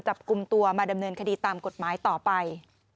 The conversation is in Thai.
จับกลุ่มตัวมาดำเนินคดีตามกฎหมายต่อไป